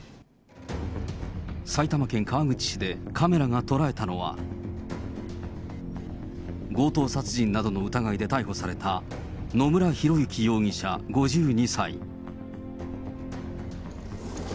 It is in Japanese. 埼玉県川口市でカメラが捉えたのは、強盗殺人などの疑いで逮捕された、野村広之容疑者５２歳。